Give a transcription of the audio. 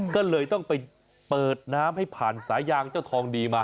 ก็เลยต้องไปเปิดน้ำให้ผ่านสายางเจ้าทองดีมา